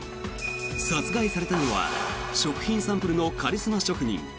殺害されたのは食品サンプルのカリスマ職人。